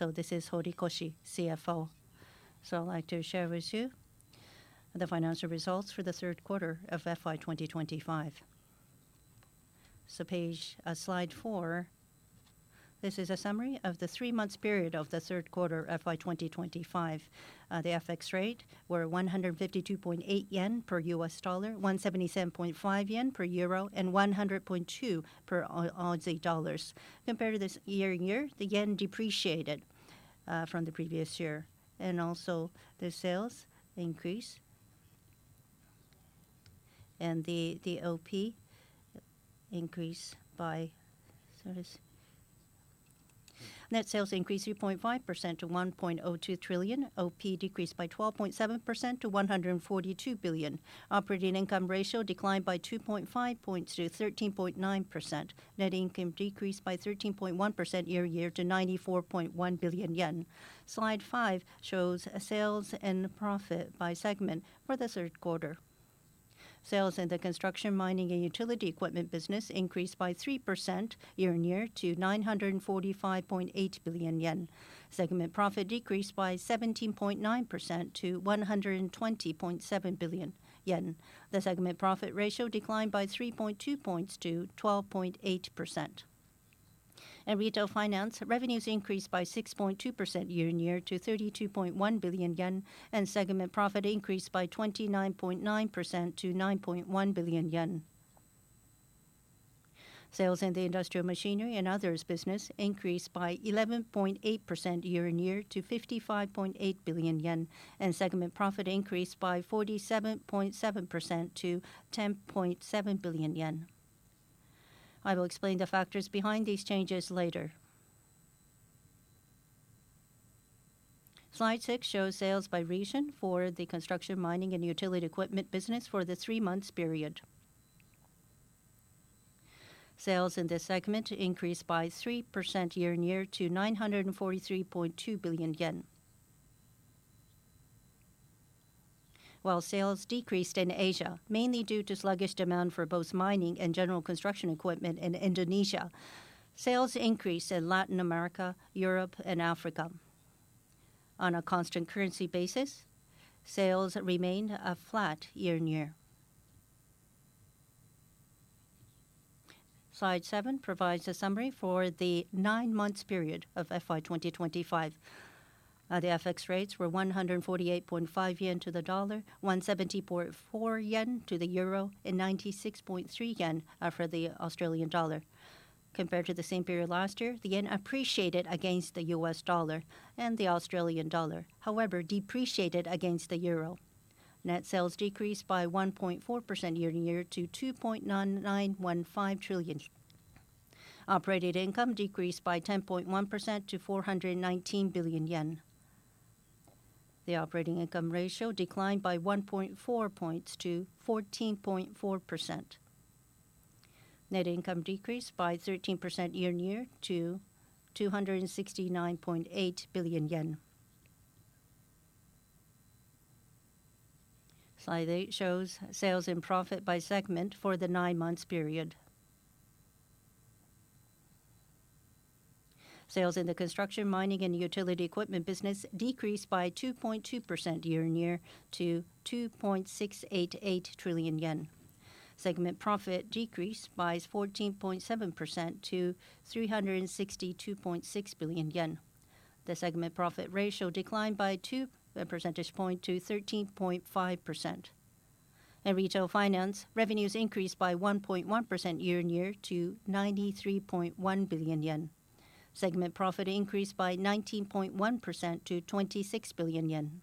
This is Horikoshi, CFO. I'd like to share with you the financial results for the third quarter of FY 2025. Slide 4, this is a summary of the three-month period of the third quarter FY 2025. The FX rates were 152.8 yen per USD, 177.5 JPY per EUR, and 100.2 JPY per AUD. Compared to this year-on-year, the yen depreciated from the previous year, and also the sales increase, so net sales increased 3.5% to 1.02 trillion. OP decreased by 12.7% to 142 billion. Operating income ratio declined by 2.5 points to 13.9%. Net income decreased by 13.1% year-on-year to 94.1 billion yen. Slide 5 shows sales and profit by segment for the third quarter. Sales in the construction, mining, and utility equipment business increased by 3% year-on-year to 945.8 billion yen. Segment profit decreased by 17.9% to 120.7 billion yen. The segment profit ratio declined by 3.2 points to 12.8%. In retail finance, revenues increased by 6.2% year-on-year to 32.1 billion yen, and segment profit increased by 29.9% to 9.1 billion yen. Sales in the industrial machinery and others business increased by 11.8% year-on-year to 55.8 billion yen, and segment profit increased by 47.7% to 10.7 billion yen. I will explain the factors behind these changes later. Slide 6 shows sales by region for the construction, mining, and utility equipment business for the three-month period. Sales in this segment increased by 3% year-on-year to 943.2 billion yen. While sales decreased in Asia, mainly due to sluggish demand for both mining and general construction equipment in Indonesia, sales increased in Latin America, Europe, and Africa. On a constant currency basis, sales remain flat year-on-year. Slide 7 provides a summary for the nine-month period of FY 2025. The FX rates were 148.5 yen to the dollar, 170.4 yen to the euro, and 96.3 yen for the Australian dollar. Compared to the same period last year, the yen appreciated against the US dollar and the Australian dollar; however, depreciated against the euro. Net sales decreased by 1.4% year-on-year to 2.9915 trillion. Operating income decreased by 10.1% to 419 billion yen. The operating income ratio declined by 1.4 points to 14.4%. Net income decreased by 13% year-on-year to JPY 269.8 billion. Slide 8 shows sales and profit by segment for the nine-month period. Sales in the construction, mining, and utility equipment business decreased by 2.2% year-on-year to 2.688 trillion yen. Segment profit decreased by 14.7% to 362.6 billion yen. The segment profit ratio declined by 2 percentage points to 13.5%. In retail finance, revenues increased by 1.1% year-on-year to 93.1 billion yen. Segment profit increased by 19.1% to 26 billion yen.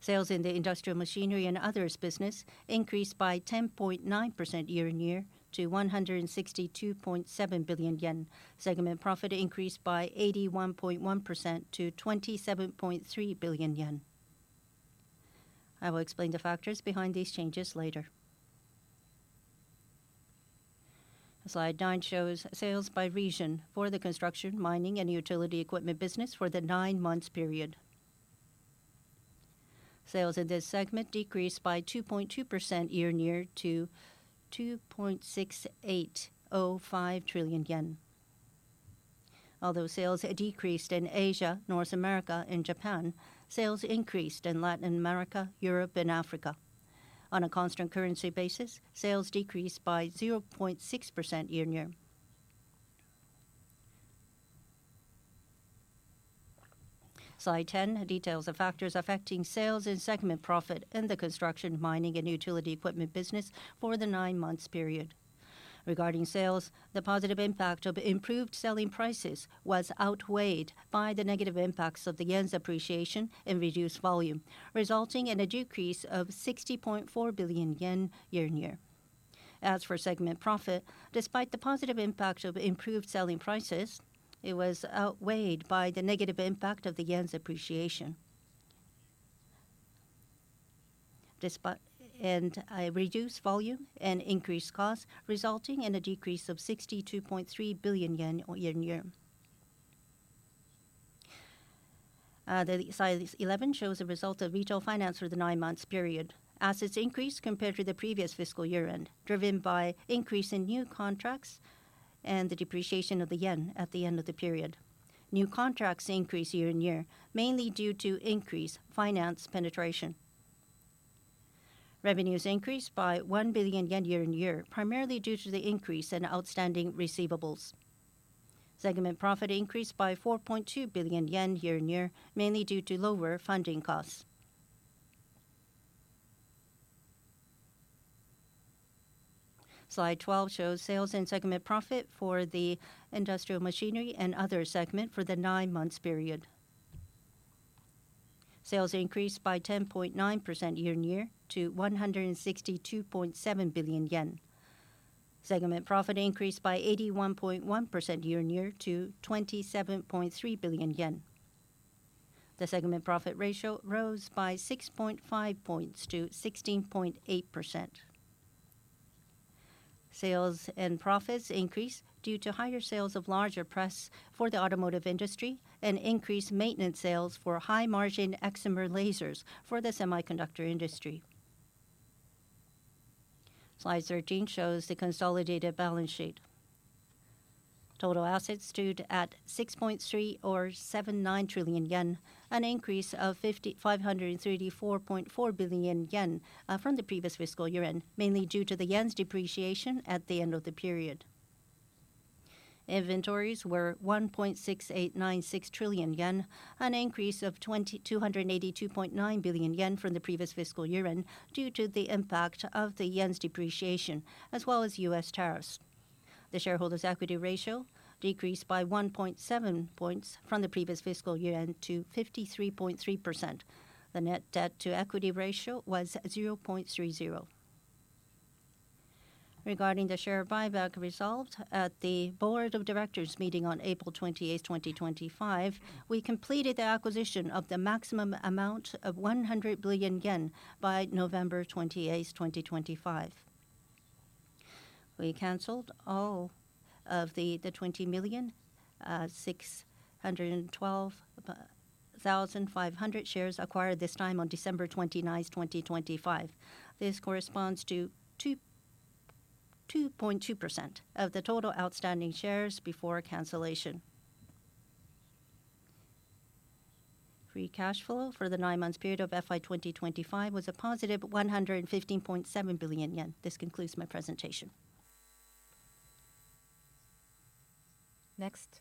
Sales in the industrial machinery and others business increased by 10.9% year-on-year to 162.7 billion yen. Segment profit increased by 81.1% to 27.3 billion yen. I will explain the factors behind these changes later. Slide 9 shows sales by region for the construction, mining, and utility equipment business for the nine-month period. Sales in this segment decreased by 2.2% year-on-year to 2.6805 trillion yen. Although sales decreased in Asia, North America, and Japan, sales increased in Latin America, Europe, and Africa. On a constant currency basis, sales decreased by 0.6% year-on-year. Slide 10 details the factors affecting sales and segment profit in the construction, mining, and utility equipment business for the nine-month period. Regarding sales, the positive impact of improved selling prices was outweighed by the negative impacts of the yen's appreciation and reduced volume, resulting in a decrease of 60.4 billion yen year-on-year. As for segment profit, despite the positive impact of improved selling prices, it was outweighed by the negative impact of the yen's appreciation, and reduced volume and increased costs, resulting in a decrease of 62.3 billion yen year-on-year. The slide 11 shows the result of retail finance for the nine-month period. Assets increased compared to the previous fiscal year-end, driven by increase in new contracts and the depreciation of the yen at the end of the period. New contracts increase year-on-year, mainly due to increased finance penetration. Revenues increased by 1 billion yen year-on-year, primarily due to the increase in outstanding receivables. Segment profit increased by 4.2 billion yen year-on-year, mainly due to lower funding costs. Slide 12 shows sales and segment profit for the industrial machinery and others segment for the nine-month period. Sales increased by 10.9% year-on-year to 162.7 billion yen. Segment profit increased by 81.1% year-on-year to 27.3 billion yen. The segment profit ratio rose by 6.5 points to 16.8%. Sales and profits increased due to higher sales of larger press for the automotive industry and increased maintenance sales for high-margin excimer lasers for the semiconductor industry. Slide 13 shows the consolidated balance sheet. Total assets stood at 3.379 trillion yen, an increase of 505.344 billion yen, from the previous fiscal year-end, mainly due to the yen's depreciation at the end of the period. Inventories were 1.6896 trillion yen, an increase of 202.829 billion yen from the previous fiscal year-end due to the impact of the yen's depreciation, as well as U.S. tariffs. The shareholders' equity ratio decreased by 1.7 points from the previous fiscal year-end to 53.3%. The net debt-to-equity ratio was 0.30. Regarding the share buyback resolved at the board of directors meeting on April 28th, 2025, we completed the acquisition of the maximum amount of 100 billion yen by November 28th, 2025. We canceled all of the 20,612,500 shares acquired this time on December 29th, 2025. This corresponds to 2.2% of the total outstanding shares before cancellation. Free cash flow for the nine-month period of FY 2025 was a positive 115.7 billion yen. This concludes my presentation. Next,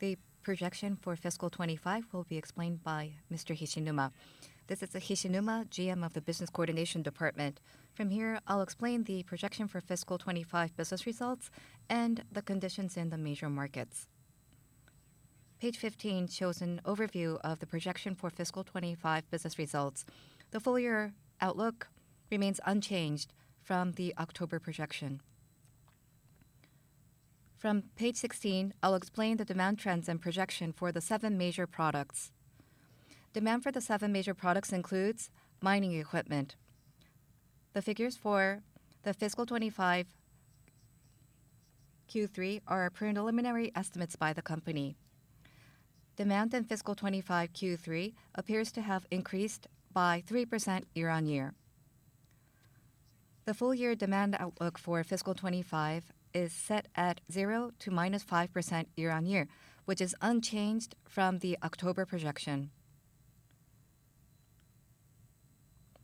the projection for fiscal 2025 will be explained by Mr. Hishinuma. This is Hishinuma, GM of the Business Coordination Department. From here, I'll explain the projection for fiscal 2025 business results and the conditions in the major markets. Page 15 shows an overview of the projection for fiscal 2025 business results. The full-year outlook remains unchanged from the October projection. From page 16, I'll explain the demand trends and projection for the seven major products. Demand for the seven major products includes mining equipment. The figures for the fiscal 2025 Q3 are preliminary estimates by the company. Demand in fiscal 2025 Q3 appears to have increased by 3% year-on-year. The full-year demand outlook for fiscal 2025 is set at 0% to -5% year-on-year, which is unchanged from the October projection.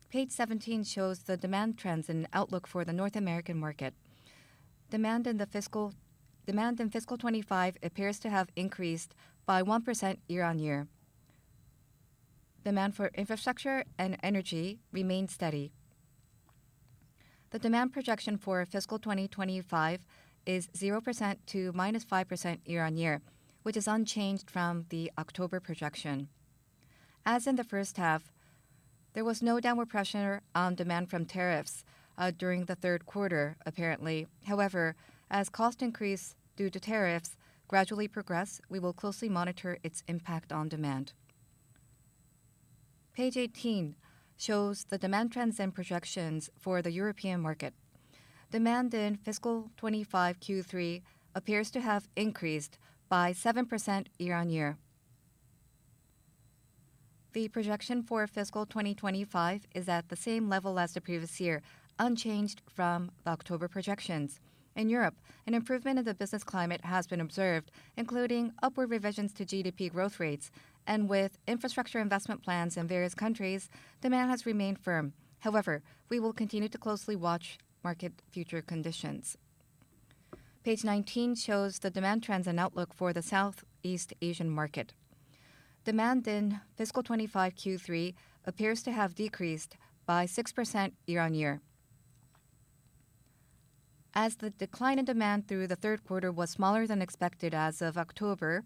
Page 17 shows the demand trends and outlook for the North American market. Demand in fiscal 2025 appears to have increased by 1% year-on-year. Demand for infrastructure and energy remained steady. The demand projection for fiscal 2025 is 0% to -5% year-on-year, which is unchanged from the October projection. As in the first half, there was no downward pressure on demand from tariffs during the third quarter, apparently. However, as cost increase due to tariffs gradually progress, we will closely monitor its impact on demand. Page 18 shows the demand trends and projections for the European market. Demand in fiscal 2025 Q3 appears to have increased by 7% year-on-year. The projection for fiscal 2025 is at the same level as the previous year, unchanged from the October projections. In Europe, an improvement in the business climate has been observed, including upward revisions to GDP growth rates. With infrastructure investment plans in various countries, demand has remained firm. However, we will continue to closely watch market future conditions. Page 19 shows the demand trends and outlook for the Southeast Asian market. Demand in fiscal 2025 Q3 appears to have decreased by 6% year-on-year. As the decline in demand through the third quarter was smaller than expected as of October,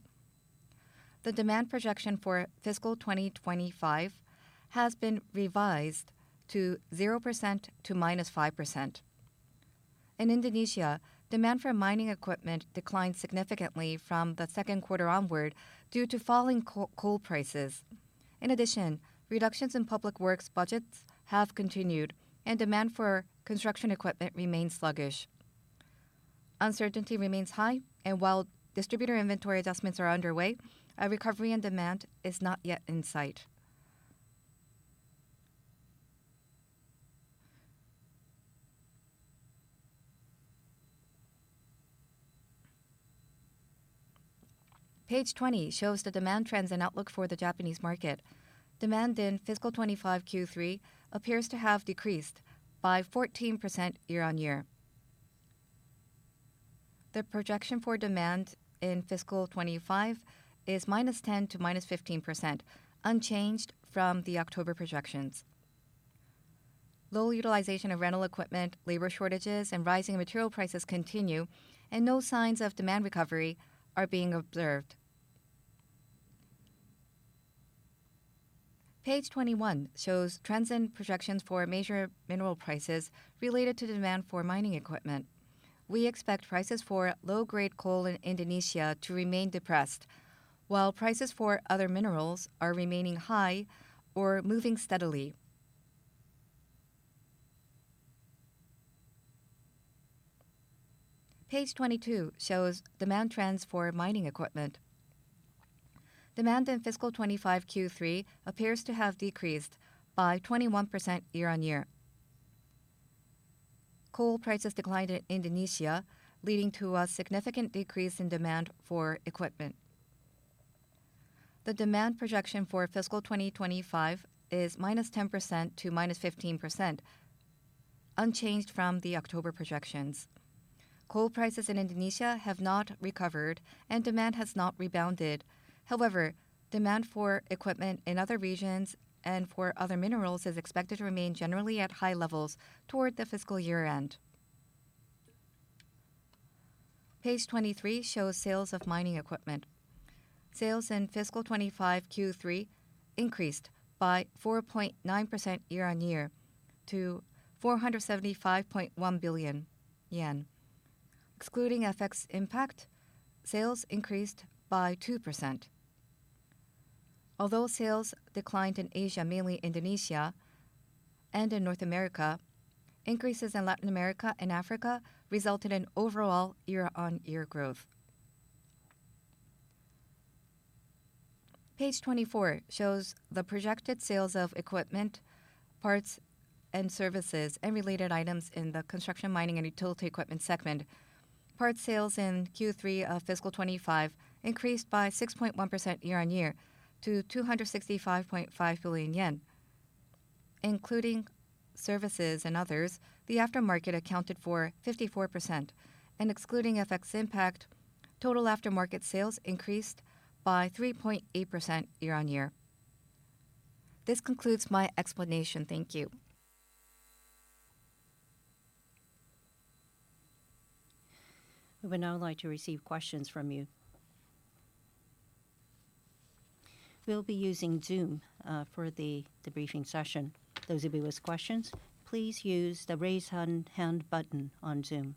the demand projection for fiscal 2025 has been revised to 0% to -5%. In Indonesia, demand for mining equipment declined significantly from the second quarter onward due to falling coal prices. In addition, reductions in public works budgets have continued, and demand for construction equipment remained sluggish. Uncertainty remains high, and while distributor inventory adjustments are underway, a recovery in demand is not yet in sight. Page 20 shows the demand trends and outlook for the Japanese market. Demand in fiscal 2025 Q3 appears to have decreased by 14% year-on-year. The projection for demand in fiscal 2025 is -10% to -15%, unchanged from the October projections. Low utilization of rental equipment, labor shortages, and rising material prices continue, and no signs of demand recovery are being observed. Page 21 shows trends and projections for major mineral prices related to demand for mining equipment. We expect prices for low-grade coal in Indonesia to remain depressed, while prices for other minerals are remaining high or moving steadily. Page 22 shows demand trends for mining equipment. Demand in fiscal 2025 Q3 appears to have decreased by 21% year-on-year. Coal prices declined in Indonesia, leading to a significant decrease in demand for equipment. The demand projection for fiscal 2025 is -10% to -15%, unchanged from the October projections. Coal prices in Indonesia have not recovered, and demand has not rebounded. However, demand for equipment in other regions and for other minerals is expected to remain generally at high levels toward the fiscal year-end. Page 23 shows sales of mining equipment. Sales in fiscal 2025 Q3 increased by 4.9% year-on-year to 475.1 billion yen. Excluding FX impact, sales increased by 2%. Although sales declined in Asia, mainly Indonesia, and in North America, increases in Latin America and Africa resulted in overall year-on-year growth. Page 24 shows the projected sales of equipment, parts, and services, and related items in the construction, mining, and utility equipment segment. Parts sales in Q3 of fiscal 2025 increased by 6.1% year-on-year to 265.5 billion yen. Including services and others, the aftermarket accounted for 54%. Excluding FX impact, total aftermarket sales increased by 3.8% year-on-year. This concludes my explanation. Thank you. We would now like to receive questions from you. We'll be using Zoom for the debriefing session. Those of you with questions, please use the raise hand button on Zoom.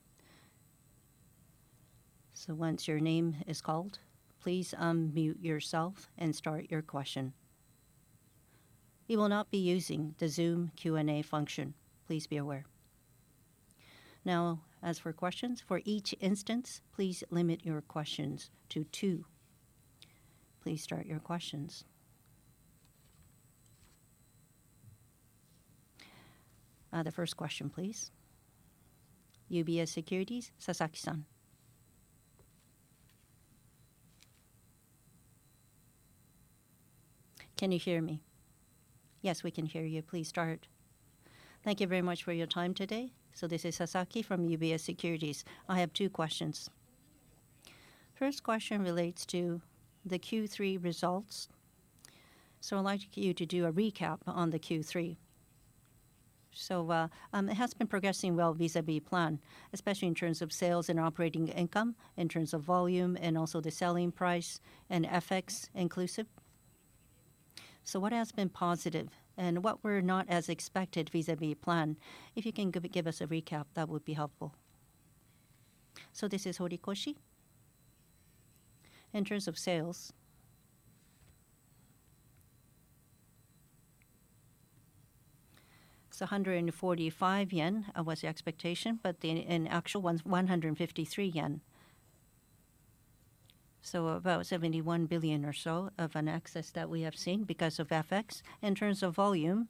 So once your name is called, please mute yourself and start your question. We will not be using the Zoom Q&A function. Please be aware. Now, as for questions, for each instance, please limit your questions to two. Please start your questions. The first question, please. UBS Securities, Sasaki-san. Can you hear me? Yes, we can hear you. Please start. Thank you very much for your time today. So this is Sasaki from UBS Securities. I have two questions. First question relates to the Q3 results. So I'd like you to do a recap on the Q3. So, it has been progressing well vis-à-vis plan, especially in terms of sales and operating income, in terms of volume, and also the selling price and FX inclusive. So what has been positive and what were not as expected vis-à-vis plan? If you can give us a recap, that would be helpful. So this is Horikoshi. In terms of sales, it's 145 yen was the expectation, but the actual ones, 153 yen. So about 71 billion or so of an excess that we have seen because of FX. In terms of volume,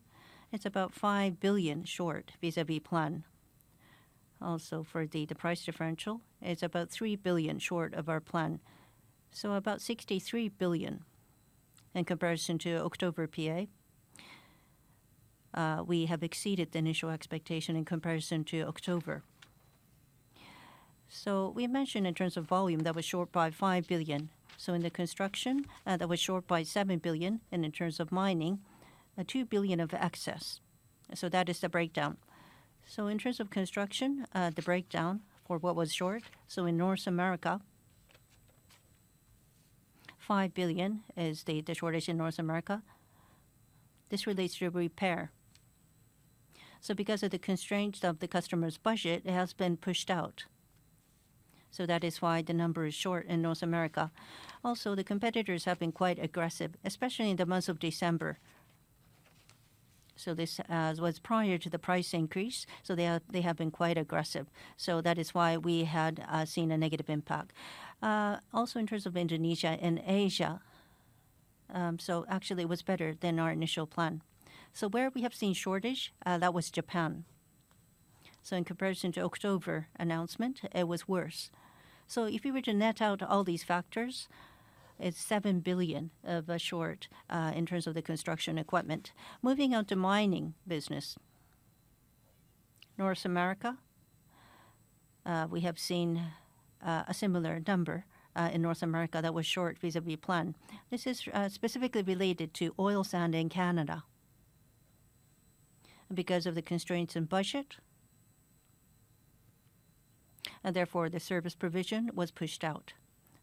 it's about 5 billion short vis-à-vis plan. Also, for the price differential, it's about 3 billion short of our plan. So about 63 billion in comparison to October PA. We have exceeded the initial expectation in comparison to October. So we mentioned in terms of volume that was short by 5 billion. So in the construction, that was short by 7 billion, and in terms of mining, 2 billion of excess. So that is the breakdown. So in terms of construction, the breakdown for what was short, so in North America, 5 billion is the shortage in North America. This relates to repair. So because of the constraints of the customer's budget, it has been pushed out. So that is why the number is short in North America. Also, the competitors have been quite aggressive, especially in the month of December. So this was prior to the price increase. So they have been quite aggressive. So that is why we had seen a negative impact. Also in terms of Indonesia and Asia, so actually it was better than our initial plan. So where we have seen shortage, that was Japan. So in comparison to October announcement, it was worse. So if you were to net out all these factors, it's 7 billion of short, in terms of the construction equipment. Moving on to mining business, North America, we have seen a similar number in North America that was short vis-à-vis plan. This is specifically related to oil sands in Canada because of the constraints in budget. And therefore, the service provision was pushed out.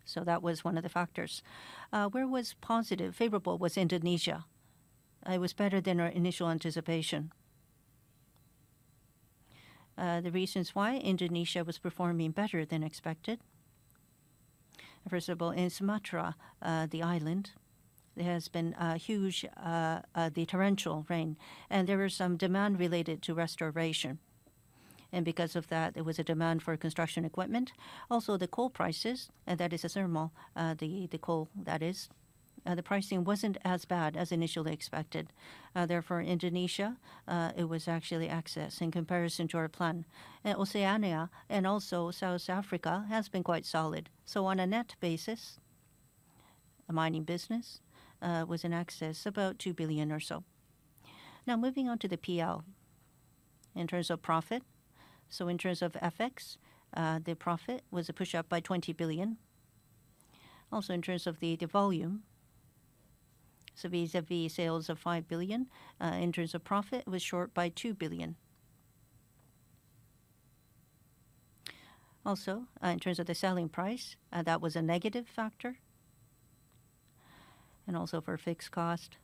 So that was one of the factors. What was positive, favorable was Indonesia. It was better than our initial anticipation. The reasons why Indonesia was performing better than expected. First of all, in Sumatra, the island, there has been huge torrential rain. And there was some demand related to restoration. And because of that, there was a demand for construction equipment. Also, the coal prices, and that is thermal coal, the pricing wasn't as bad as initially expected. Therefore, Indonesia, it was actually in excess in comparison to our plan. Oceania and also South Africa has been quite solid. So on a net basis, mining business was in excess, about 2 billion or so. Now, moving on to the PL in terms of profit. So in terms of FX, the profit was pushed up by 20 billion. Also, in terms of the volume, so vis-à-vis sales of 5 billion, in terms of profit, it was short by 2 billion. Also, in terms of the selling price, that was a negative factor. And also for fixed cost.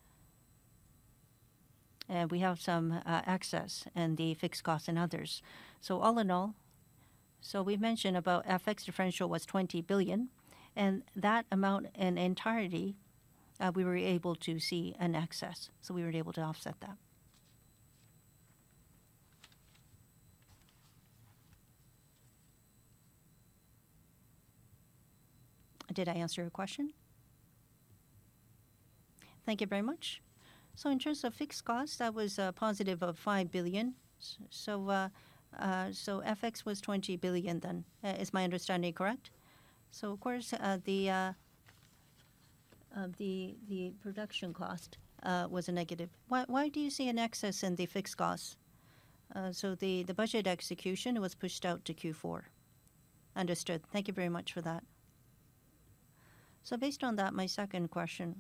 And we have some excess in the fixed costs and others. So all in all, so we mentioned about FX differential was 20 billion. And that amount in entirety, we were able to see an excess. So we were able to offset that. Did I answer your question? Thank you very much. So in terms of fixed costs, that was a positive of 5 billion. So, so FX was 20 billion then. Is my understanding correct? So, of course, the, the production cost, was a negative. Why do you see an excess in the fixed costs? So the budget execution was pushed out to Q4. Understood. Thank you very much for that. So based on that, my second question,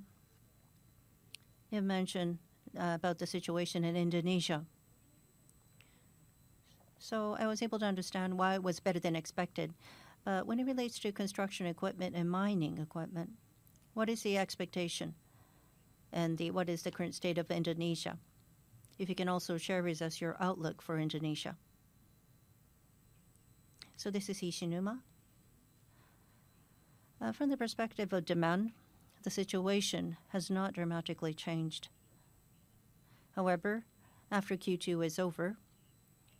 you mentioned about the situation in Indonesia. So I was able to understand why it was better than expected. But when it relates to construction equipment and mining equipment, what is the expectation? And what is the current state of Indonesia? If you can also share with us your outlook for Indonesia. So this is Hishinuma. From the perspective of demand, the situation has not dramatically changed. However, after Q2 is over,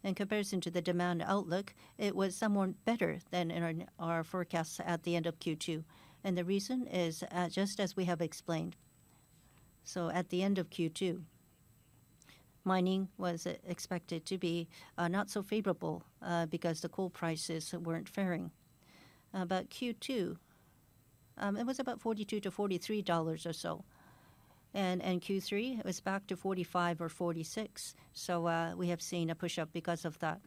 in comparison to the demand outlook, it was somewhat better than in our forecasts at the end of Q2. And the reason is just as we have explained. So at the end of Q2, mining was expected to be not so favorable because the coal prices weren't faring. But Q2, it was about $42-$43 or so. And in Q3, it was back to $45 or $46. So we have seen a pushup because of that.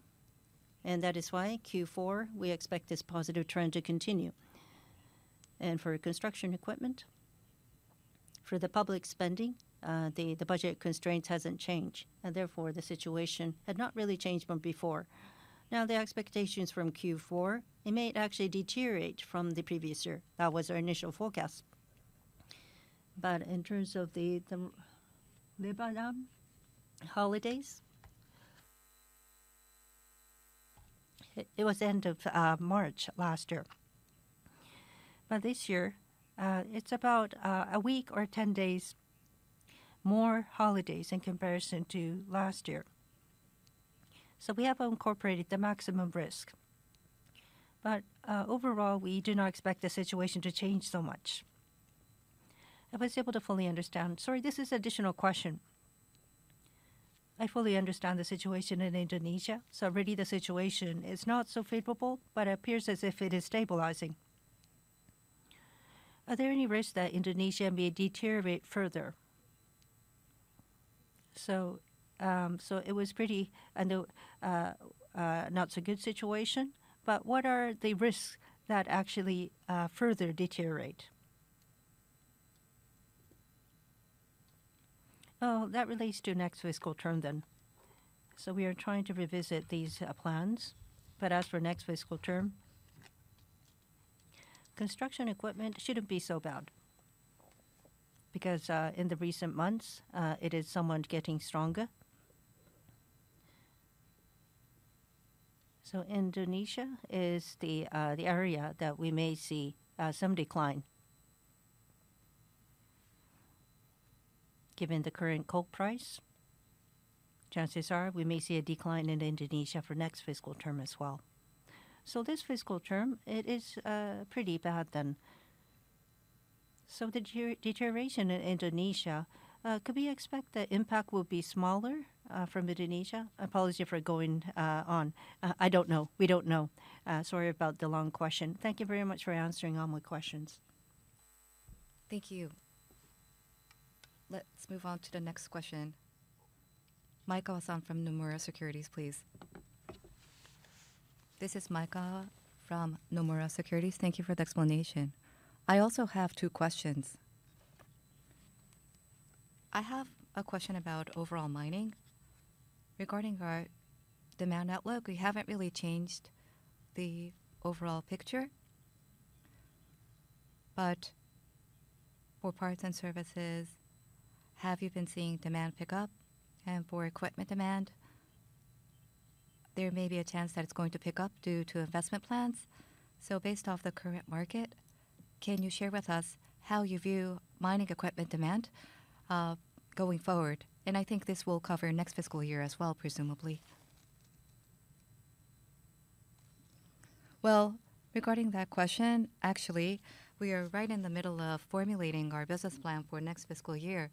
And that is why Q4, we expect this positive trend to continue. And for construction equipment, for the public spending, the budget constraints hasn't changed. And therefore, the situation had not really changed from before. Now, the expectations from Q4, it may actually deteriorate from the previous year. That was our initial forecast. But in terms of the Lebaran holidays, it was the end of March last year. But this year, it's about a week or 10 days more holidays in comparison to last year. So we have incorporated the maximum risk. But overall, we do not expect the situation to change so much. I was able to fully understand. Sorry, this is an additional question. I fully understand the situation in Indonesia. So already, the situation is not so favorable, but it appears as if it is stabilizing. Are there any risks that Indonesia may deteriorate further? So, so it was pretty a not-so-good situation. But what are the risks that actually further deteriorate? Oh, that relates to next fiscal term then. So we are trying to revisit these plans. But as for next fiscal term, construction equipment shouldn't be so bad because in the recent months, it is somewhat getting stronger. So Indonesia is the area that we may see some decline given the current coal price. Chances are, we may see a decline in Indonesia for next fiscal term as well. This fiscal term, it is pretty bad then. The deterioration in Indonesia, could we expect the impact will be smaller from Indonesia? Apology for going on. I don't know. We don't know. Sorry about the long question. Thank you very much for answering all my questions. Thank you. Let's move on to the next question. Kentaro Maekawa from Nomura Securities, please. This is Kentaro Maekawa from Nomura Securities. Thank you for the explanation. I also have two questions. I have a question about overall mining. Regarding our demand outlook, we haven't really changed the overall picture. But for parts and services, have you been seeing demand pickup? And for equipment demand, there may be a chance that it's going to pick up due to investment plans. Based off the current market, can you share with us how you view mining equipment demand going forward? And I think this will cover next fiscal year as well, presumably. Well, regarding that question, actually, we are right in the middle of formulating our business plan for next fiscal year.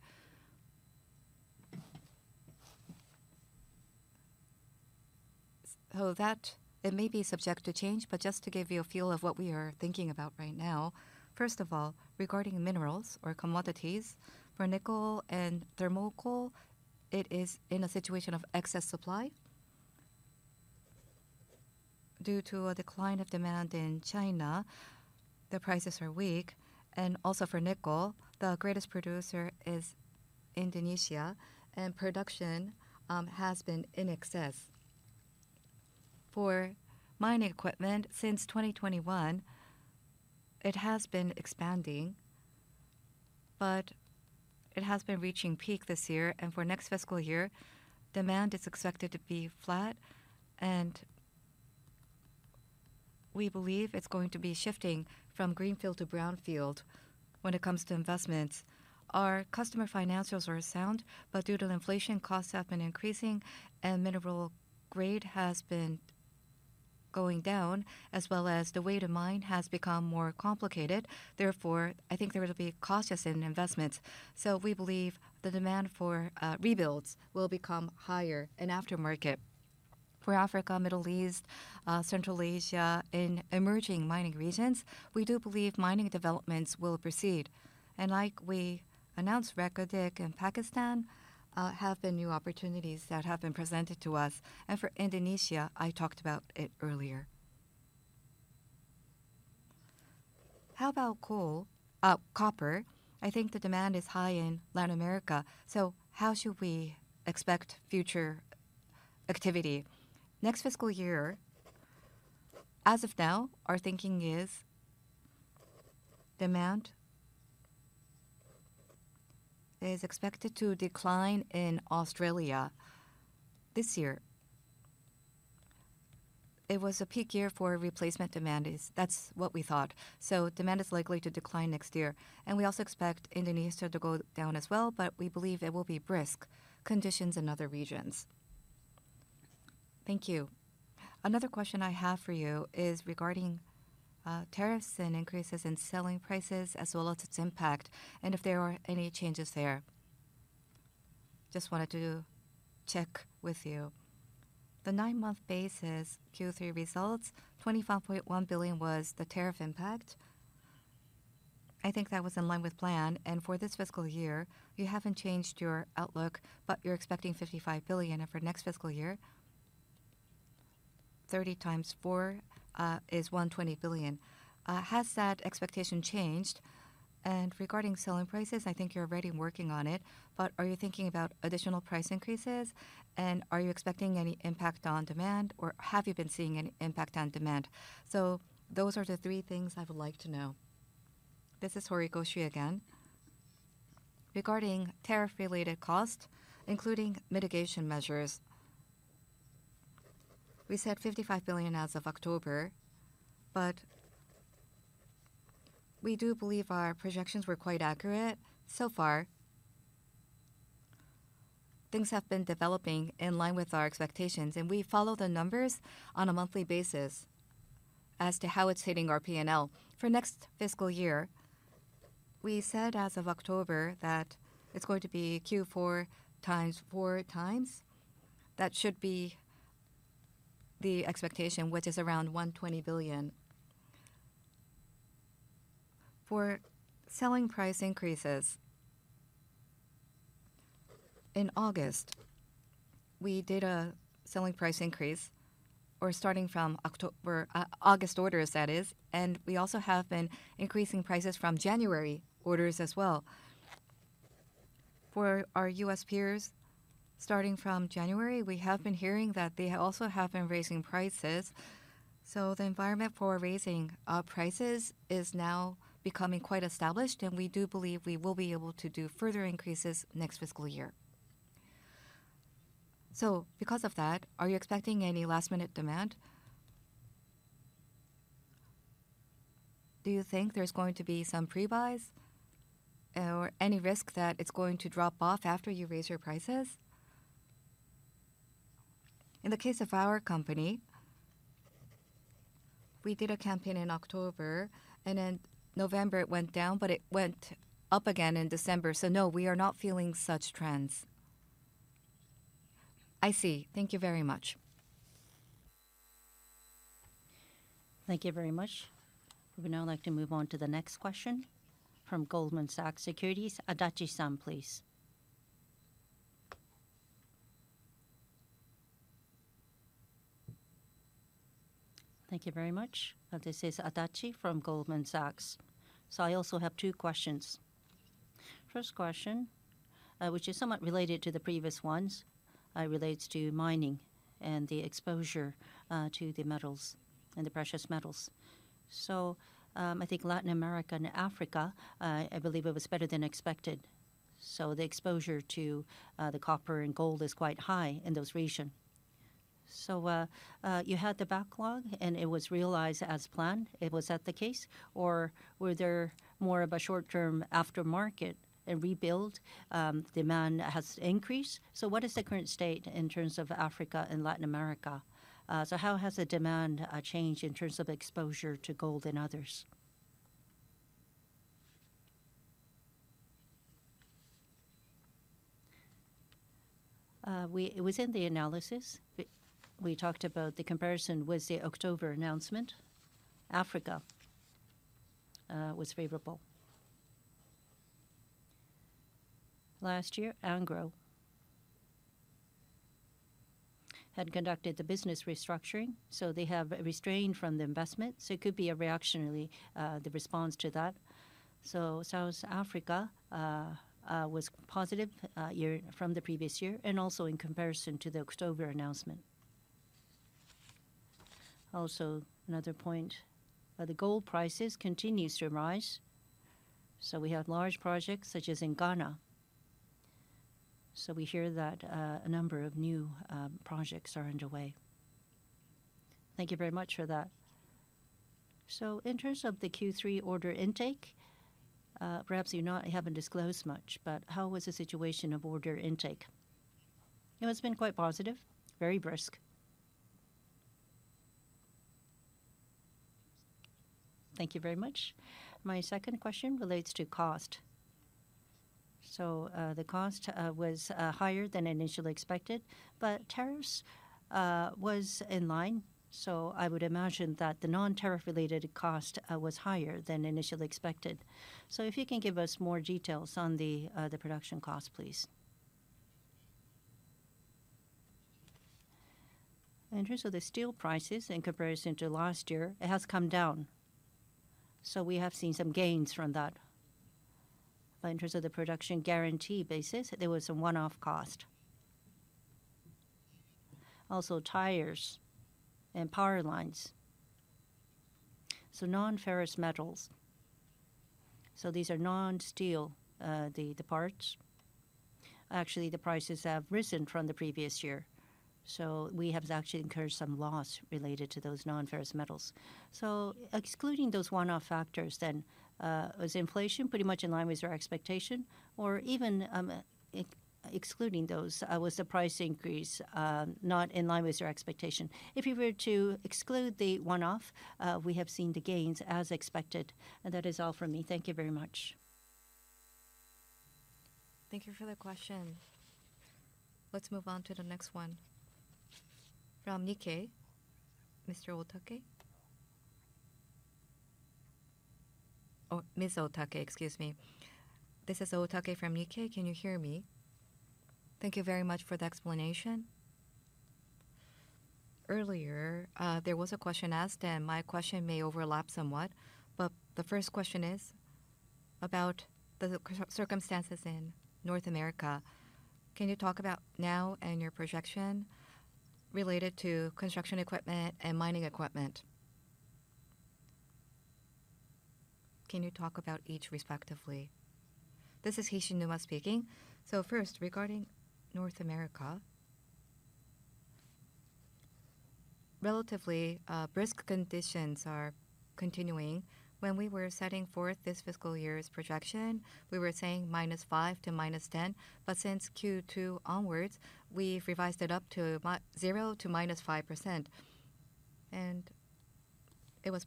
So that it may be subject to change, but just to give you a feel of what we are thinking about right now, first of all, regarding minerals or commodities, for nickel and thermal coal, it is in a situation of excess supply due to a decline of demand in China. The prices are weak. And also for nickel, the greatest producer is Indonesia. And production has been in excess. For mining equipment, since 2021, it has been expanding, but it has been reaching peak this year. And for next fiscal year, demand is expected to be flat. And we believe it's going to be shifting from greenfield to brownfield when it comes to investments. Our customer financials are sound, but due to inflation, costs have been increasing, and mineral grade has been going down, as well as the way to mine has become more complicated. Therefore, I think there will be costs just in investments. So we believe the demand for rebuilds will become higher in aftermarket. For Africa, Middle East, Central Asia, and emerging mining regions, we do believe mining developments will proceed. And like we announced, Reko Diq and Pakistan have been new opportunities that have been presented to us. And for Indonesia, I talked about it earlier. How about coal, copper? I think the demand is high in Latin America. So how should we expect future activity? Next fiscal year, as of now, our thinking is demand is expected to decline in Australia this year. It was a peak year for replacement demand is. That's what we thought. So demand is likely to decline next year. We also expect Indonesia to go down as well, but we believe it will be brisk conditions in other regions. Thank you. Another question I have for you is regarding tariffs and increases in selling prices, as well as its impact, and if there are any changes there. Just wanted to check with you. The nine-month basis Q3 results, 25.1 billion was the tariff impact. I think that was in line with plan. For this fiscal year, you haven't changed your outlook, but you're expecting 55 billion. And for next fiscal year, 30 x 4 is 120 billion. Has that expectation changed? And regarding selling prices, I think you're already working on it. But are you thinking about additional price increases? And are you expecting any impact on demand? Or have you been seeing any impact on demand? So those are the three things I would like to know. This is Horikoshi again. Regarding tariff-related costs, including mitigation measures, we said 55 billion as of October. But we do believe our projections were quite accurate so far. Things have been developing in line with our expectations. And we follow the numbers on a monthly basis as to how it's hitting our P&L. For next fiscal year, we said as of October that it's going to be Q4 times 4 times. That should be the expectation, which is around 120 billion. For selling price increases, in August, we did a selling price increase or starting from October August orders, that is. And we also have been increasing prices from January orders as well. For our U.S. peers, starting from January, we have been hearing that they also have been raising prices. So the environment for raising prices is now becoming quite established. And we do believe we will be able to do further increases next fiscal year. So because of that, are you expecting any last-minute demand? Do you think there's going to be some prebuys or any risk that it's going to drop off after you raise your prices? In the case of our company, we did a campaign in October. And in November, it went down, but it went up again in December. So no, we are not feeling such trends. I see. Thank you very much. Thank you very much. We would now like to move on to the next question from Goldman Sachs Securities. Adachi-san, please. Thank you very much. This is Adachi from Goldman Sachs. So I also have two questions. First question, which is somewhat related to the previous ones, relates to mining and the exposure to the metals and the precious metals. So I think Latin America and Africa, I believe it was better than expected. So the exposure to the copper and gold is quite high in those regions. So you had the backlog, and it was realized as planned. It was that the case? Or were there more of a short-term aftermarket and rebuild? Demand has increased. So what is the current state in terms of Africa and Latin America? So how has the demand changed in terms of exposure to gold and others? It was in the analysis. We talked about the comparison with the October announcement. Africa was favorable. Last year, Anglo had conducted the business restructuring. So they have restrained from the investment. So it could be a reactionary response to that. South Africa was positive year from the previous year and also in comparison to the October announcement. Also, another point, the gold prices continue to rise. We have large projects such as in Ghana. So we hear that a number of new projects are underway. Thank you very much for that. In terms of the Q3 order intake, perhaps you haven't disclosed much, but how was the situation of order intake? It has been quite positive, very brisk. Thank you very much. My second question relates to cost. The cost was higher than initially expected. But tariffs was in line. I would imagine that the non-tariff-related cost was higher than initially expected. If you can give us more details on the production cost, please. In terms of the steel prices in comparison to last year, it has come down. So we have seen some gains from that. But in terms of the production guarantee basis, there was some one-off cost. Also, tires and power lines. So non-ferrous metals. So these are non-steel, the parts. Actually, the prices have risen from the previous year. So we have actually incurred some loss related to those non-ferrous metals. So excluding those one-off factors then, was inflation pretty much in line with your expectation? Or even excluding those, was the price increase not in line with your expectation? If you were to exclude the one-off, we have seen the gains as expected. And that is all from me. Thank you very much. Thank you for the question. Let's move on to the next one. From Nikkei, Mr. Otake. Or Ms. Otake, excuse me. This is Otake from Nikkei. Can you hear me? Thank you very much for the explanation. Earlier, there was a question asked, and my question may overlap somewhat. But the first question is about the circumstances in North America. Can you talk about now and your projection related to construction equipment and mining equipment? Can you talk about each respectively? This is Hishinuma speaking. So first, regarding North America, relatively brisk conditions are continuing. When we were setting forth this fiscal year's projection, we were saying -5 to -10. But since Q2 onwards, we've revised it up to 0 to -5%. And it was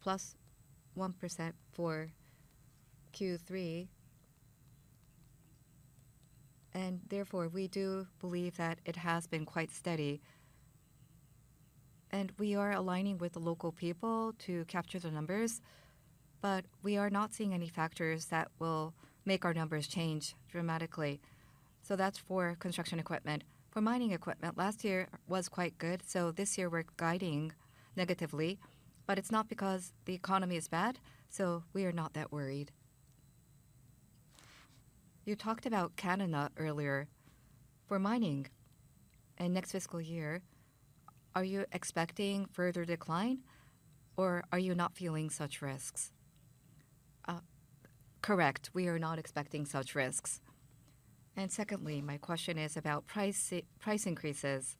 +1% for Q3. And therefore, we do believe that it has been quite steady. And we are aligning with the local people to capture the numbers. But we are not seeing any factors that will make our numbers change dramatically. So that's for construction equipment. For mining equipment, last year was quite good. So this year, we're guiding negatively. But it's not because the economy is bad. So we are not that worried. You talked about Canada earlier. For mining in next fiscal year, are you expecting further decline? Or are you not feeling such risks? Correct. We are not expecting such risks. And secondly, my question is about price increases.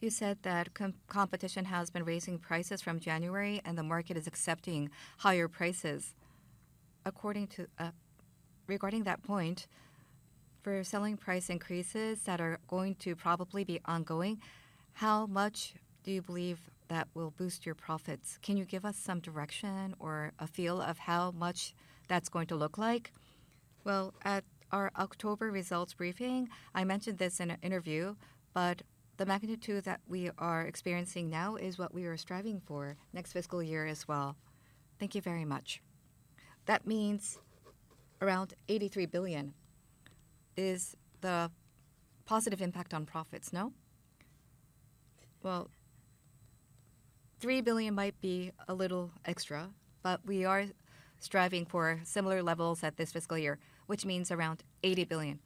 You said that competition has been raising prices from January, and the market is accepting higher prices. Regarding that point, for selling price increases that are going to probably be ongoing, how much do you believe that will boost your profits? Can you give us some direction or a feel of how much that's going to look like? Well, at our October results briefing, I mentioned this in an interview. But the magnitude that we are experiencing now is what we are striving for next fiscal year as well. Thank you very much. That means around 83 billion is the positive impact on profits. No? Well, 3 billion might be a little extra. But we are striving for similar levels at this fiscal year, which means around 80 billion.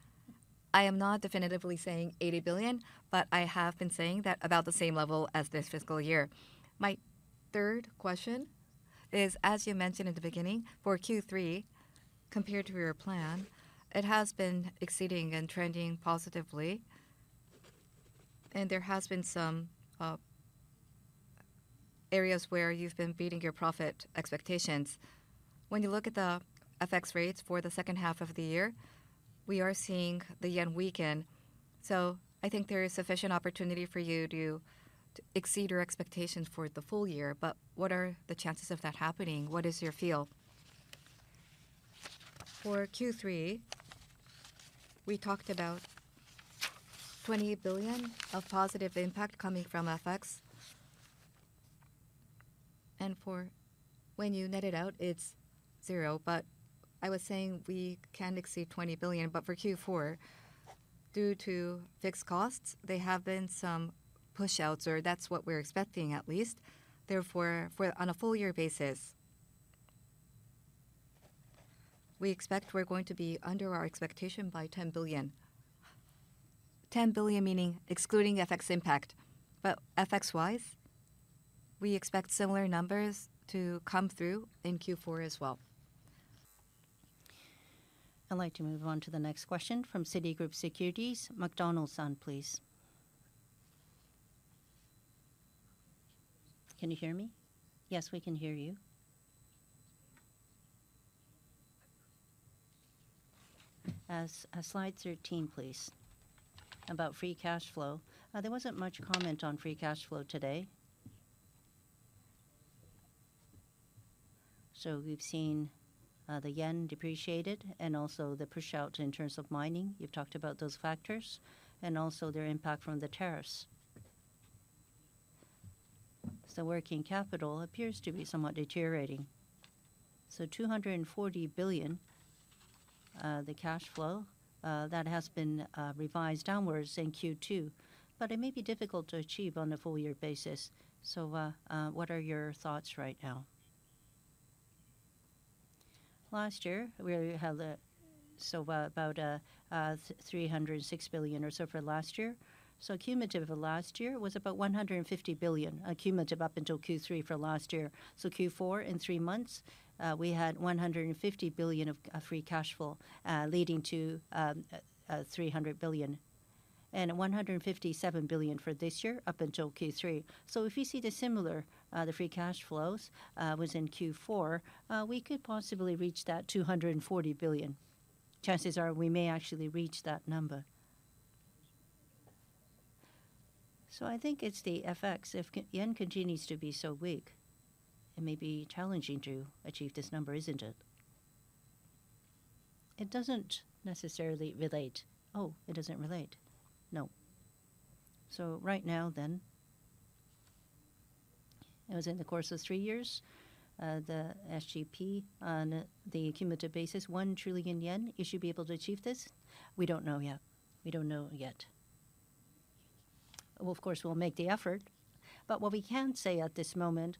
I am not definitively saying 80 billion. But I have been saying that about the same level as this fiscal year. My third question is, as you mentioned in the beginning, for Q3, compared to your plan, it has been exceeding and trending positively. And there has been some areas where you've been beating your profit expectations. When you look at the FX rates for the second half of the year, we are seeing the yen weaken. So I think there is sufficient opportunity for you to exceed your expectations for the full year. But what are the chances of that happening? What is your feel? For Q3, we talked about 20 billion of positive impact coming from FX. And for when you netted out, it's zero. But I was saying we can exceed 20 billion. But for Q4, due to fixed costs, there have been some pushouts. Or that's what we're expecting, at least. Therefore, on a full-year basis, we expect we're going to be under our expectation by 10 billion. 10 billion meaning excluding FX impact. But FX-wise, we expect similar numbers to come through in Q4 as well. I'd like to move on to the next question from Citigroup Securities. McDonald-san, please. Can you hear me? Yes, we can hear you. As slide 13, please, about free cash flow. There wasn't much comment on free cash flow today. So we've seen the yen depreciated and also the pushout in terms of mining. You've talked about those factors and also their impact from the tariffs. So working capital appears to be somewhat deteriorating. So 240 billion, the cash flow, that has been revised downwards in Q2. But it may be difficult to achieve on a full-year basis. So what are your thoughts right now? Last year, we had so about 306 billion or so for last year. So a cumulative of last year was about 150 billion, a cumulative up until Q3 for last year. So Q4, in three months, we had 150 billion of free cash flow, leading to 300 billion. And 157 billion for this year up until Q3. So if you see the similar, the free cash flows was in Q4. We could possibly reach that 240 billion. Chances are, we may actually reach that number. So I think it's the FX. If yen continues to be so weak, it may be challenging to achieve this number, isn't it? It doesn't necessarily relate. Oh, it doesn't relate. No. So right now then, it was in the course of three years, the SGP or MTP on the cumulative basis, 1 trillion yen. Is she be able to achieve this? We don't know yet. We don't know yet. Well, of course, we'll make the effort. But what we can say at this moment,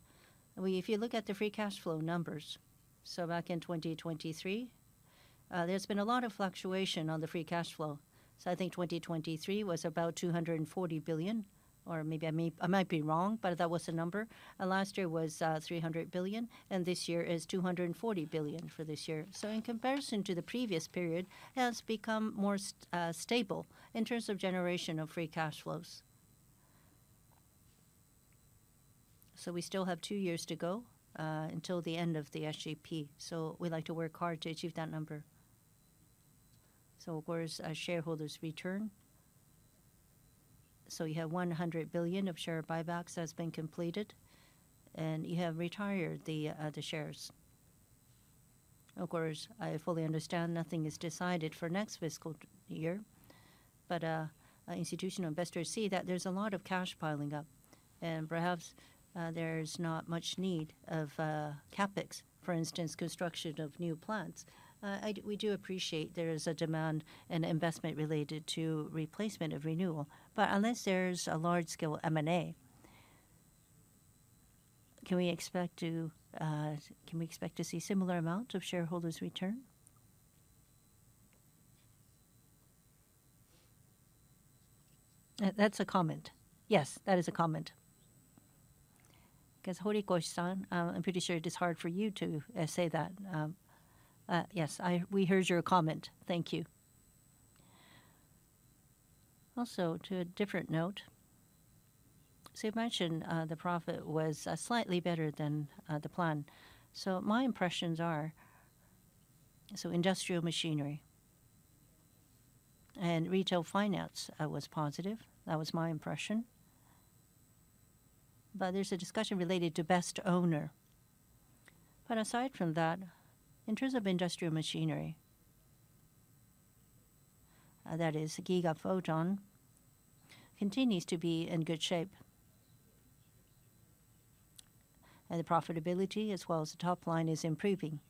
if you look at the free cash flow numbers, so back in 2023, there's been a lot of fluctuation on the free cash flow. So I think 2023 was about 240 billion. Or maybe I might be wrong. But that was the number. And last year was 300 billion. And this year is 240 billion for this year. So in comparison to the previous period, it has become more stable in terms of generation of free cash flows. So we still have two years to go until the end of the SGP or MTP. So we'd like to work hard to achieve that number. So, of course, shareholders return. So you have 100 billion of share buybacks that have been completed. And you have retired the shares. Of course, I fully understand nothing is decided for next fiscal year. But institutional investors see that there's a lot of cash piling up. And perhaps there's not much need of CapEx, for instance, construction of new plants. We do appreciate there is a demand and investment related to replacement of renewal. But unless there's a large-scale M&A, can we expect to see a similar amount of shareholders return? That's a comment. Yes, that is a comment. Because Horikoshi-san, I'm pretty sure it is hard for you to say that. Yes, we heard your comment. Thank you. Also, on a different note, so you mentioned the profit was slightly better than the plan. So my impressions are so industrial machinery and retail finance was positive. That was my impression. But there's a discussion related to best owner. But aside from that, in terms of industrial machinery, that is Gigaphoton, continues to be in good shape. And the profitability, as well as the top line, is improving.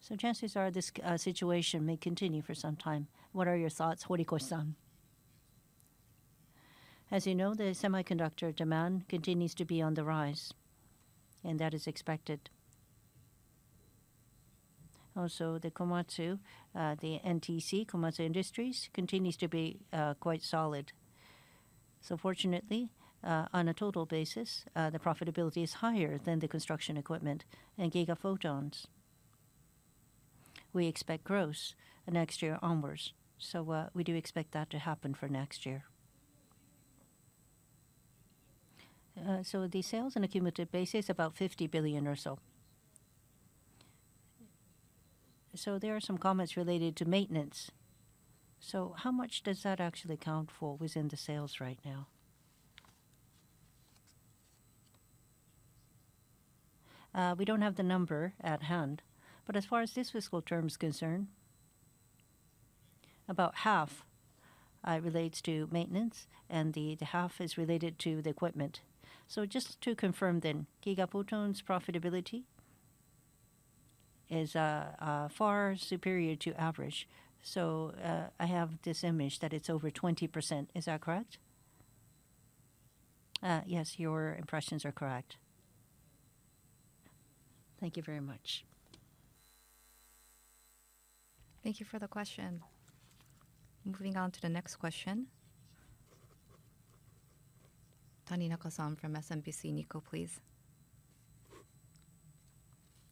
So chances are this situation may continue for some time. What are your thoughts, Horikoshi-san? As you know, the semiconductor demand continues to be on the rise. And that is expected. Also, the Komatsu NTC, Komatsu Industries, continues to be quite solid. So fortunately, on a total basis, the profitability is higher than the construction equipment and Gigaphotons. We expect growth next year onwards. So we do expect that to happen for next year. So the sales on a cumulative basis, about 50 billion or so. So there are some comments related to maintenance. So how much does that actually count for within the sales right now? We don't have the number at hand. But as far as this fiscal term is concerned, about half relates to maintenance. And the half is related to the equipment. So just to confirm then, Gigaphoton's profitability is far superior to average. So I have this image that it's over 20%. Is that correct? Yes, your impressions are correct. Thank you very much. Thank you for the question. Moving on to the next question. Taninaka-san from SMBC Nikko, please.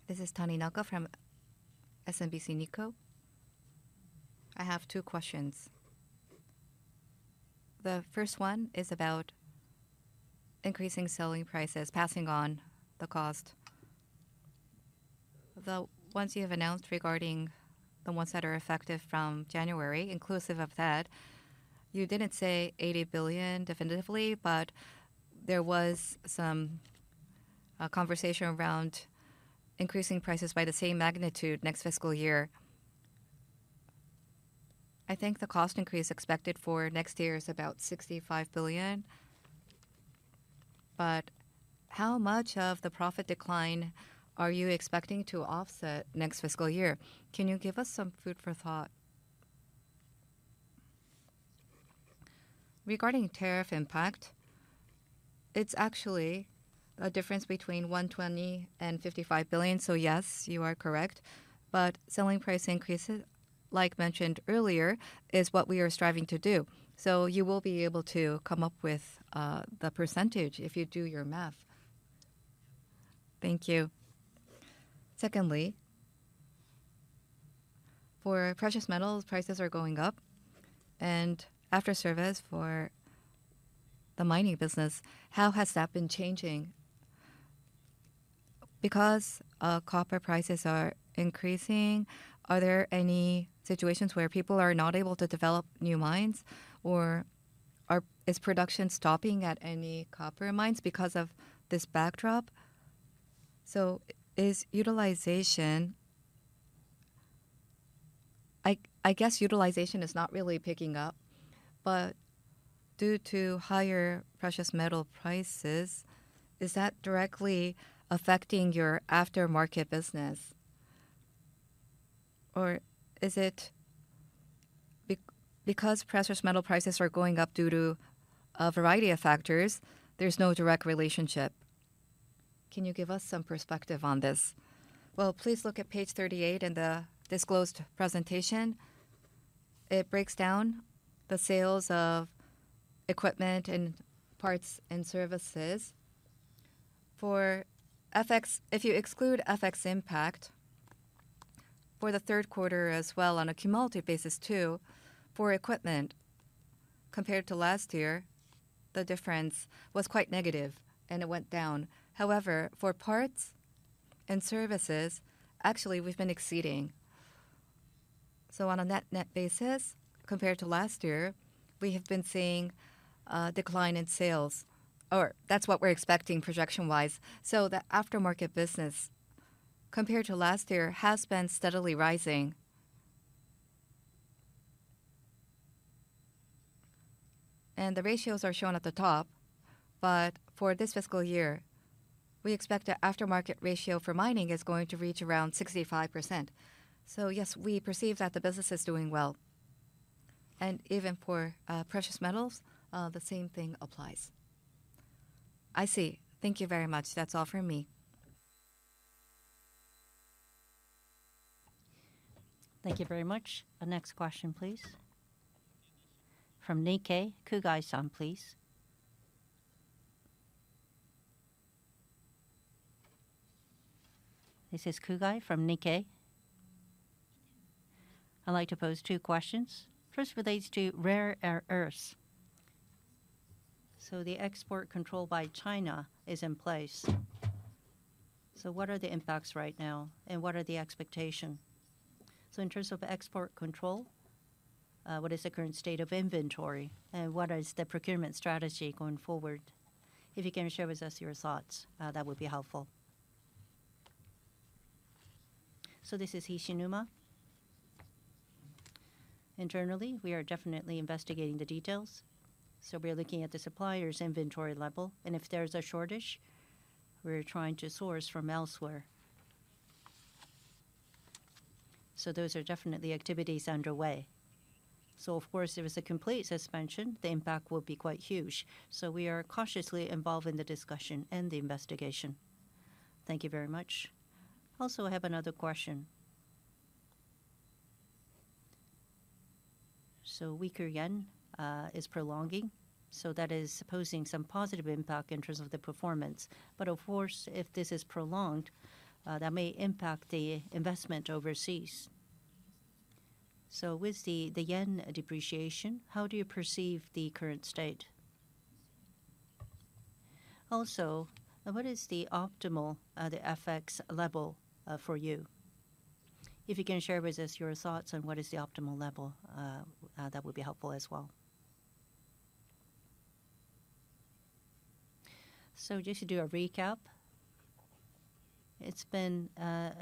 This is Taninaka from SMBC Nikko. I have two questions. The first one is about increasing selling prices, passing on the cost. The ones you have announced regarding the ones that are effective from January, inclusive of that, you didn't say 80 billion definitively. But there was some conversation around increasing prices by the same magnitude next fiscal year. I think the cost increase expected for next year is about 65 billion. But how much of the profit decline are you expecting to offset next fiscal year? Can you give us some food for thought? Regarding tariff impact, it's actually a difference between 120 billion and 55 billion. So yes, you are correct. But selling price increases, like mentioned earlier, is what we are striving to do. So you will be able to come up with the percentage if you do your math. Thank you. Secondly, for precious metals, prices are going up. And after service for the mining business, how has that been changing? Because copper prices are increasing, are there any situations where people are not able to develop new mines? Or is production stopping at any copper mines because of this backdrop? So is utilization I guess utilization is not really picking up. But due to higher precious metal prices, is that directly affecting your aftermarket business? Or is it because precious metal prices are going up due to a variety of factors, there's no direct relationship? Can you give us some perspective on this? Well, please look at page 38 in the disclosed presentation. It breaks down the sales of equipment and parts and services. For FX, if you exclude FX impact for the third quarter as well, on a cumulative basis too, for equipment, compared to last year, the difference was quite negative. And it went down. However, for parts and services, actually, we've been exceeding. So on a net basis, compared to last year, we have been seeing a decline in sales. Or that's what we're expecting projection-wise. So the aftermarket business, compared to last year, has been steadily rising. And the ratios are shown at the top. But for this fiscal year, we expect the aftermarket ratio for mining is going to reach around 65%. So yes, we perceive that the business is doing well. And even for precious metals, the same thing applies. I see. Thank you very much. That's all from me. Thank you very much. Next question, please. From Nikkei, Kugai-san, please. This is Kugai from Nikkei. I'd like to pose two questions. First relates to rare earths. So the export control by China is in place. So what are the impacts right now? And what are the expectations? So in terms of export control, what is the current state of inventory? And what is the procurement strategy going forward? If you can share with us your thoughts, that would be helpful. So this is Hishinuma. Internally, we are definitely investigating the details. So we are looking at the suppliers' inventory level. And if there's a shortage, we're trying to source from elsewhere. So those are definitely activities underway. So of course, if it's a complete suspension, the impact will be quite huge. So we are cautiously involved in the discussion and the investigation. Thank you very much. Also, I have another question. So weaker yen is prolonging. So that is posing some positive impact in terms of the performance. But of course, if this is prolonged, that may impact the investment overseas. So with the yen depreciation, how do you perceive the current state? Also, what is the optimal, the FX level for you? If you can share with us your thoughts on what is the optimal level, that would be helpful as well. So just to do a recap, it's been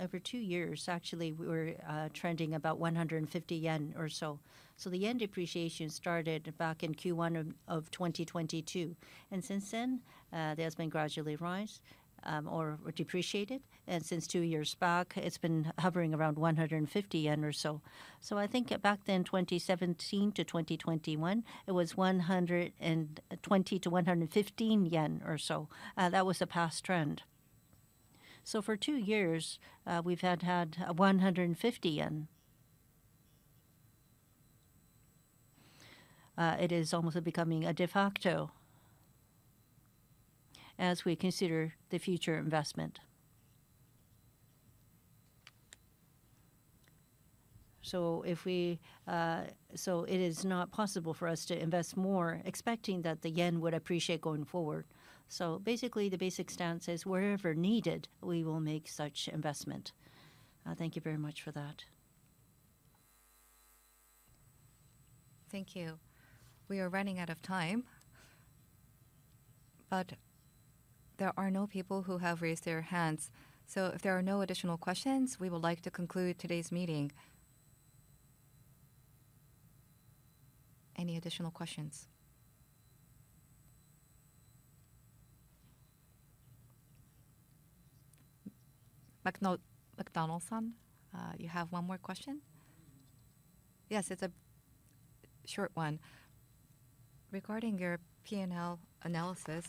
over two years, actually, we were trending about 150 yen or so. So the yen depreciation started back in Q1 of 2022. And since then, it has been gradually rise or depreciated. And since two years back, it's been hovering around 150 yen or so. So I think back then, 2017 to 2021, it was 120-115 yen or so. That was a past trend. So for two years, we've had 150 JPY. It is almost becoming a de facto as we consider the future investment. So if we so it is not possible for us to invest more, expecting that the yen would appreciate going forward. So basically, the basic stance is, wherever needed, we will make such investment. Thank you very much for that. Thank you. We are running out of time. But there are no people who have raised their hands. So if there are no additional questions, we would like to conclude today's meeting. Any additional questions? McDonald-san, you have one more question. Yes, it's a short one. Regarding your P&L analysis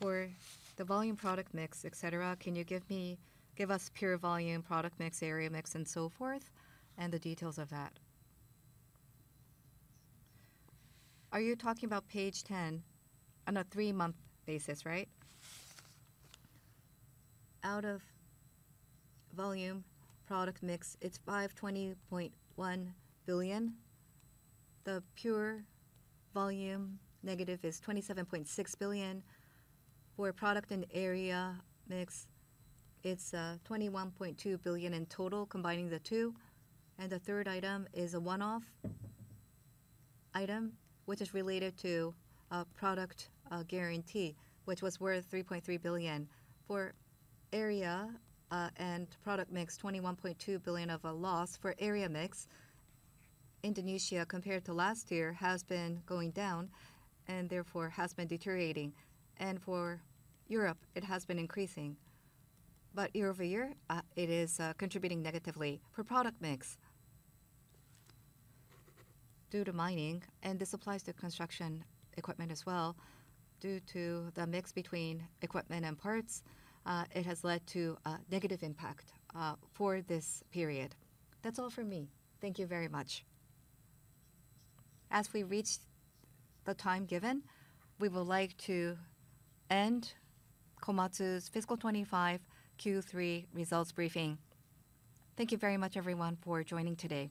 for the volume product mix, et cetera, can you give us pure volume product mix, area mix, and so forth, and the details of that? Are you talking about page 10 on a three-month basis, right? Out of volume product mix, it's 520.1 billion. The pure volume negative is 27.6 billion. For product and area mix, it's 21.2 billion in total, combining the two. The third item is a one-off item, which is related to product guarantee, which was worth 3.3 billion. For area and product mix, 21.2 billion of a loss. For area mix, Indonesia, compared to last year, has been going down and therefore has been deteriorating. For Europe, it has been increasing. Year over year, it is contributing negatively. For product mix, due to mining and this applies to construction equipment as well, due to the mix between equipment and parts, it has led to a negative impact for this period. That's all from me. Thank you very much. As we reach the time given, we would like to end Komatsu's fiscal 2025 Q3 results briefing. Thank you very much, everyone, for joining today.